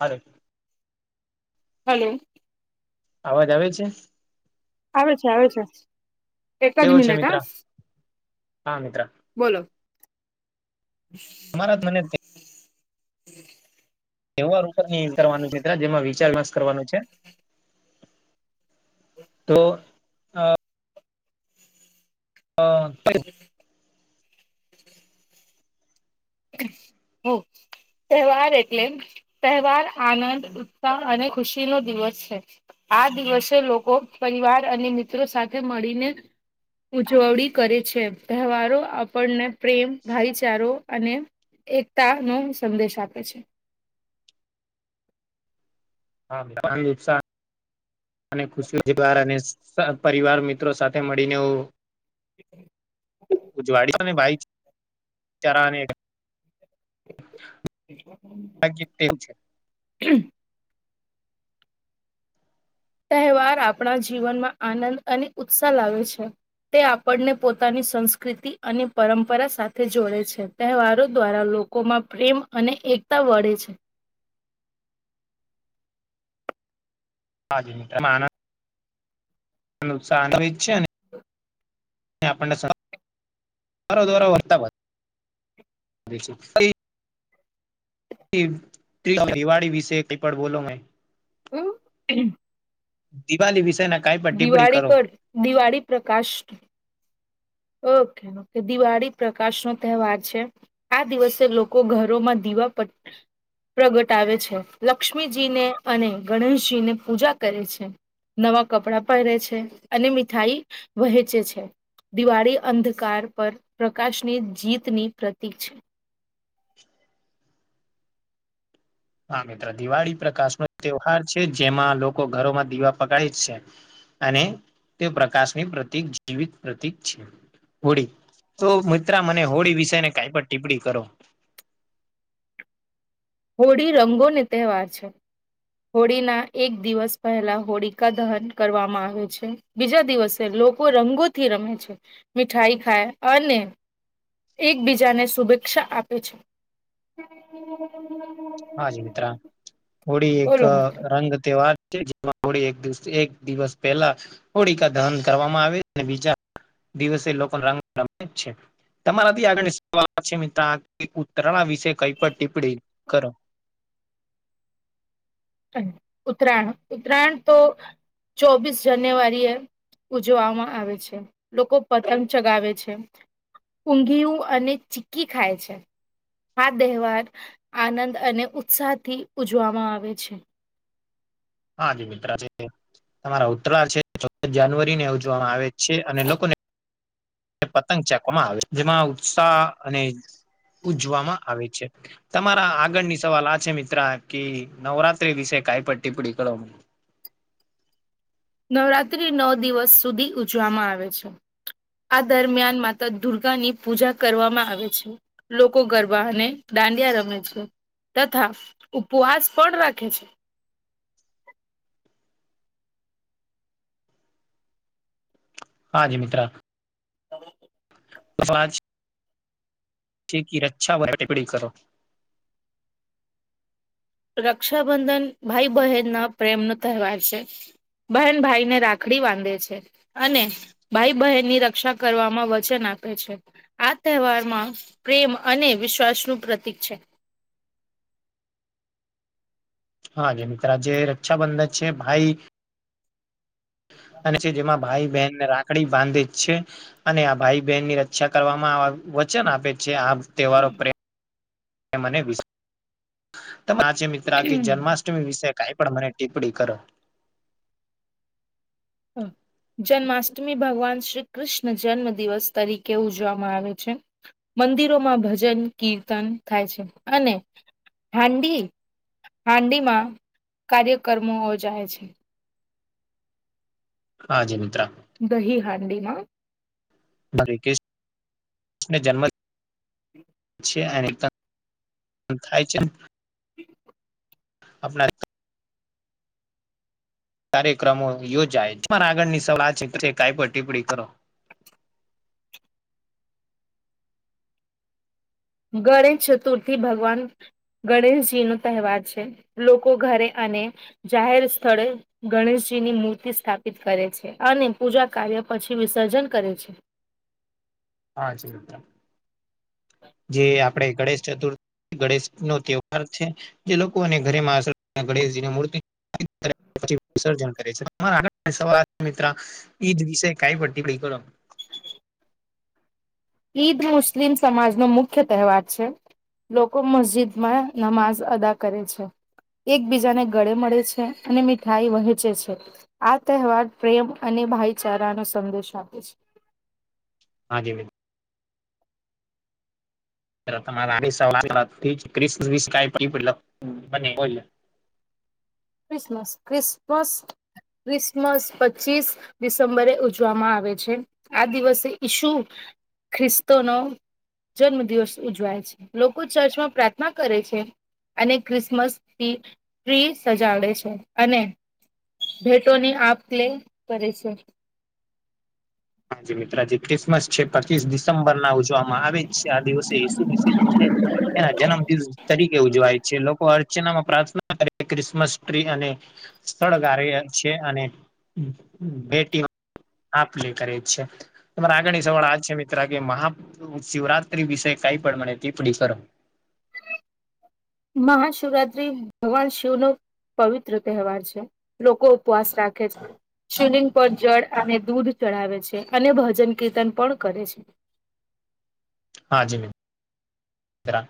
Hello. Hello. અવાજ આવે છે. આવે છે આવે છે એક જ કેવો છે મિનિટ મિત્ર હ. હા મિત્ર બોલો. અમારા ત્રળ થી. એવા રૂપ ની કરવાનું છે મિત્ર જેમાં વિચાર માસ કરવાનું છે. તો. હ [inaudible] હ [unintelligible] હ તહેવાર એટલે. તહેવાર આનંદ ઉત્સાહ અને ખુશી નો દિવસ છે. આ દિવસે લોકો પરિવાર અને મિત્રો સાથે મળીને. ઉજવણી કરે છે તહેવારો આપણને પ્રેમ ભાઈચારો અને એકતા નો સંદેશ આપે છે. હાુસાા [inaudible] ન અને ખુશી બાર અને ઉત્સાહ પરિવાર મિત્રો સાથે મળીને એવું. ઉજવાળને ભાઈ ચરાને. એ [unintelligible] હ જી તેમ છે. તહેવાર આપણા જીવનમાં આનંદ અને ઉત્સાહ લાવે છે. તે આપણને પોતાની સંસ્કૃતિ અને પરંપરા સાથે જોડે છે. તહેવારો દ્વારા લોકોમાં પ્રેમ અને એકતા વળે છે. હા [inaudible] આનુ સાન્ડવીચ છે ને. આપણને [inaudible] સરો દરો વર્તાવ દ [inaudible] દિવાળી વિશે કઈ પણ બોલો મેં. હું. દિવાળી વિષે ના કાઈ પણ ટીપ્પણી દિવાળી કરો. પર દિવાળી પ્રકાશ. ઓકે ઓકે દિવાળી પ્રકાશ નો તહેવાર છે. આ દિવસે લોકો ઘરોમાં દીવા પ. પ્રગટાવે છે લક્ષ્મીજીને અને ગણેશજી ને પૂજા કરે છે. નવા કપડાં પહેરે છે અને મીઠાઈ વહેંચે છે. દિવાળી અંધકાર પર પ્રકાશની જીતની પ્રતિક છે. [unintelligible] હા મિત્ર દિવાળી પ્રકાશ નો તહેવાર છે જેમાં લોકો ઘરોમાં દીવા પકડાય જ છે. અને તે પ્રકાશની પ્રતિક જીવિત પ્રતિક છે હોડી. તો મિત્ર મને હોળી વિષયને કાઈ પણ ટીપ્પણી કરો. હોળી રંગોને તહેવાર છે. [inaudible] હોળીના એક દિવસ પહેલા હોળિકા દહન કરવામાં આવે છે બીજા દિવસે લોકો રંગો. થી રમે છે મીઠાઈ ખાય અને એક બીજાને શુભેચ્છા આપે છે. હા જ મિત્રા હોળી એક બોલો મિત્ર રંગ તહેવાર જે હો એક દિવસ પહેલા હોળકા દહન કરવામાં આવે અને બીજા દિવસે લોકો રંગ [unintelligible] છે તમારાથી આગળ સવાલ છે મિત્ર ઉત્તરાણ વિશે કઈ પણ ટિપ્પણી કરો. ઉત્તરાયણ ઉત્તરાયણ તો ચોબીસ જાન્યુવારી હૈ. ઉજવવામાં આવે છે લોકો પતંગ ચગાવે છે. ઊંઘિયું અને ચીકી ખાય છે. આ તહેવાર આનંદ અને ઉત્સાહ થી ઉજવામાં આવે છે. હા જ મિત્ર છે તમારા ઉત્તરાય છે ચૌદ જાનુઆરી ને ઉજવામાં આવે છે અને લોકોને પતંગ ચેકવામાં આવે છે જેમાં ઉત્સાહ અને ઉજવામાં આવે છે તમારા આગળની સવાલ આ છે મિત્રા કે નવરાત્રી વિશે કઈ પણ ટીપ્પણી કરો નવરાત્રી નવ દિવસ સુધી ઉજવામાં આવે છે આ દરમિયાન માતા દુર્ગાની પૂજા કરવામાં આવે છે લોકો ગરબા અને દાંડિયા રમે છે તથા ઉપવાસ પણ રાખે છે હા જી મિત્ર [inaudible] [unintelligible] થીકી રછા [unintelligible] ટીપડી કરો રક્ષાબંધન ભાઈ બહેન ના પ્રેમનો તહેવાર છે બહેન ભાઈ ને રાખડી બાંધે છે અને ભાઈ બહેનની રક્ષા કરવામાં વચન આપે છે આ તહેવારમાં પ્રેમ અને વિશ્વાસ નું પ્રતીક છે હાજે મિત્ર જે રક્ષાબંધન છે ભાઈ અને જેમાં ભાઈ બહેનને રા ખડી બાંધે છે અને આ ભાઈ બહેન ની રક્ષા કરવામાં વચન આપે છે આ તહેવારો પ્રેમ અને વિસ આ કે મિત્રાત્કે જન્મા [inaudible] વિશે કઈ પણ મને ટિપડી કરો હા જન્માષ્ટમી ભગવાન શ્રી કૃષ્ણ જન્મ દિવસ તરીકે ઉજવામાં આવે છે મંદિરોમાં ભજન કીર્તન થાય છે અને હાંડી હાંડીમાં કાર્યક્રમો ઓજાય છે હા જી મિત્રા દહી હાંડી માં [unintelligible] ને જન્મ છે અને તા થાય છે હ આપણા કાર્યક્રમો યોજાય પણ આગળની સવાલ છે કઈ પણ ટિપ્પણી કરો ગણેશ ચતુર્થી ભગવાન ગણેશજી નું તહેવાર છે લોકો ઘરે અને જાહેર સ્થળે ગણેશજીની મૂર્તિ સ્થાપિત કરે છે અને પૂજા કાર્ય પછી વિસર્જન કરે છે હા જી મિત્ર જે આપડે ગણેશ ચતુર ગણેશ નો તહેવાર છે જે લોકો અને ઘરેમાં આશ ગણેશજીની મૂર્તિ [unintelligible] વિસર્જન કરે છે હા [unintelligible] મિત્રા ઈદ વિશે કાઈ પણ ટીપણી કરો ઈદ મુસ્લિમ સમાજ નુ મુખ્ય તહેવાર છે. લોકો મસ્જિદમાં નમાજ અદા કરે છે. એકબીજાને ગળે મળે છે અને મીઠાઈ વહેંચે છે. આ તહેવાર પ્રેમ અને ભાઈચારાનો સંદેશ આપે છે. હા જી મી [unintelligible] ક્રિસમસ ક્રિસમસ ક્રિસમસ પચીસ ડિસેમ્બરે ઉજવામાં આવે છે આ દિવસે ઈસુ ખ્રિસ્તો નો જન્મ દિવસ ઉજવાય છે લોકો ચર્ચમાં પ્રાર્થના કરે છે અને ક્રિસમસ ટ્રી ટ્રીસ સજાડે છે અને ભેટોની આપલે કરે છે. હાજી મિત્રાજી ક્રિસમસ છે પચીસ ડિસેમ્બર ના ઉજવામાં આવે છે આ દિવસે ઈસુ ક્રિસ છે એના જન્મ દિવસ તરીકે ઉજવાય છે લોકો આ પ્રાર્થના કરી ક્રિસમસ ટ્રી અને સ્થળ ગારયા છે અને બે ટીમ આપ લે કરે છે તમારા આગળની સવાર આજ છે મિત્ર કે મહા શિવરાત્રી વિષય કઈ પણ મને તે પડી કર મહાશિવરાત્રી ભગવાન શિવ નુ પવિત્ર તહેવાર છે લોકો ઉપવાસ રાખે છે. શિવલિંગ પર જળ અને દૂધ ચડાવે છે અને ભજન કીર્તન પણ કરે છે હાજી મેમ રા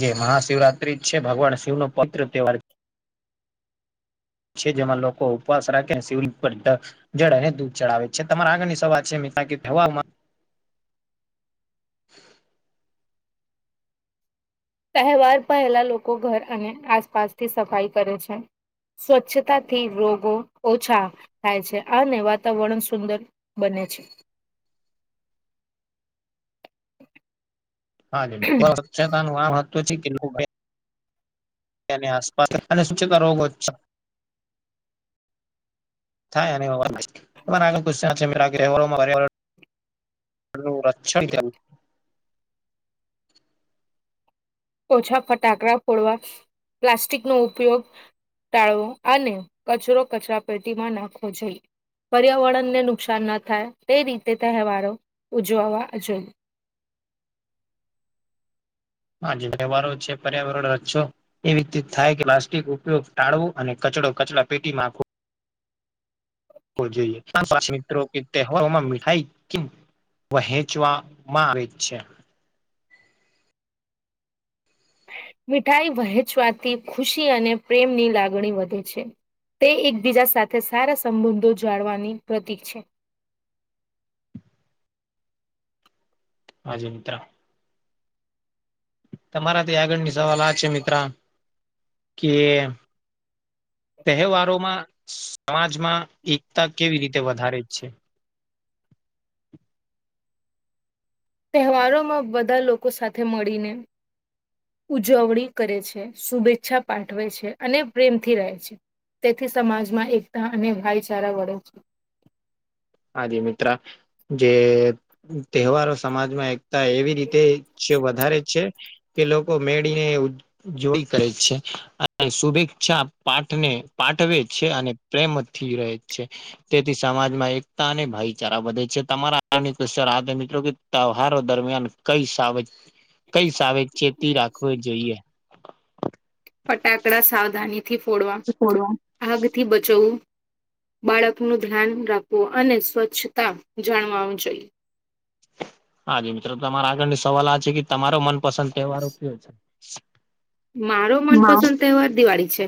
જે મહાશિવરાત્રી છે ભગવાન શિવ નો પવિત્ર તહેવાર છે જેમાં લોકો ઉપવાસ રાખે શિવલિંગ પર જડને દૂધ ચડાવે છે તમારા આગળની સ વાત છે મીતા તહેવારોમાં તહેવાર પહેલા લોકો ઘર અને આસપાસથી સફાઈ કરે છે સ્વચ્છતાથી રોગો ઓછા થાય છે અને વાતાવરણ સુંદર બને છે. હા [inaudible] સેતા નું આ મહત્વ છે કે આસપાસ અને સ્વચ્છતા રોગો થાય અને તમારે આગળ પૈસા [unintelligible] રક્ષણ કરવું ઓછા ફટાકડા ફોડવા પ્લાસ્ટિક નો ઉપયોગ ટાળવો અને કચરો કચરા પેટીમાં નાખવો જોઈએ પર્યાવરણને નુકસાન ના થાય તે રીતે તહેવારો ઉજવવા જોઈએ. હજી વ્યવહારો છે પર્યાવરણ અચો એવી રીતે થાય કે પ્લાસ્ટિક ઉપયોગ ટાળવો અને કચડો કચરા પેટીમાં નાખવો. નાખવો જોઈએ પાચ મિત્રો કે તહેવારોમાં મીઠાઈ કે વહેંચવામાં આવે છે. મીઠાઈ વહેંચવાથી ખુશી અને પ્રેમની લાગણી વધે છે. તે એકબીજા સાથે સારા સંબંધો જાળવાની પ્રતિક છે. હાજી મિત્ર તમારાથી આગળની સવાલ આ છે મિત્ર કે તહેવારોમાં સમાજમાં એકતા કેવી રીતે વધારે જ છે. તહેવારો માં બધા લોકો સાથે મળીને ઉજવણી કરે છે શુભેચ્છા પાઠવે છે અને પ્રેમથી રહે છે. તેથી સમાજમાં એકતા અને ભાઈચારા વળે છે હાજી મિત્ર જે તહેવારો સમાજમાં એક એવી રીતે વધારે છે કે લોકો મેળીને જોઈ કરે છે અને શુભેચ્છા પાઠને પાઠવે છે અને પ્રેમથી રહે છે તેથી સમાજમાં એક અને ભાઈચારા વધે છે તમારા આ કવચ મિત્રો કે તહેવારો દરમિયાન કઈ સા કઈ સા આવે ચેતી રાખવી જોઈએ. ફટાકડા સાવધાનીથી ફોડવા આગથી બચવવું બાળક નું ધ્યાન રાખવું અને સ્વચ્છતા જાણવાવુ જોઈએ. હાજી મિત્રો તમારા આગળની સવાલ આ છે કે તમારો મનપસંદ તહેવારો કયો છે [inaudible] મારો હા મનપસંદ તહેવાર દિવાળી છે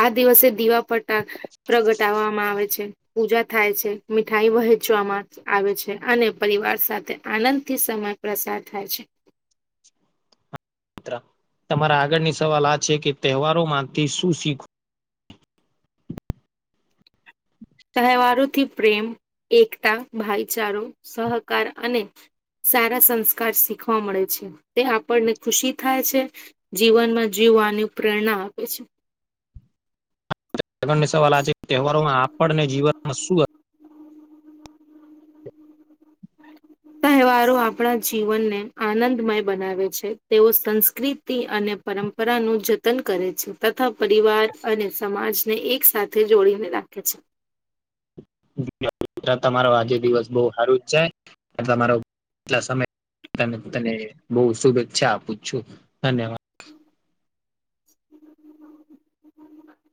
આ દિવસે દિવા ફટા પ્રગટાવવામાં આવે છે પૂજા થાય છે મીઠાઈ વહેંચવામાં આવે છે અને પરિવાર સાથે આનંદ થી સમય પસાર થાય છે. તમારા આગળની સવાલ આ છે કે તહેવારો માં તે શું શીખું. તહેવારોથી પ્રેમ એકતા ભાઈચારો સહકાર અને સારા સંસ્કાર શીખવા મળે છે તે આપણને ખુશી થાય છે. જીવનમાં જીવવાની પ્રેરણા આપે છે. જગન ને સવાલ આ છે કે તહેવારોમાં આપણને જીવનમાં શું [inaudible] તહેવારો આપણા જીવનને આનંદમય બનાવે છે તેઓ સંસ્કૃતિ અને પરંપરા નું જતન કરે છે તથા પરિવાર અને સમાજને એક સાથે જોડીને રાખે છે. તમારો આજે દિવસ બહ સારું જ છે તમારો સમય ત તને બહુ શુભેચ્છા આપું છું ધન્યવાદ. હ [inaudible]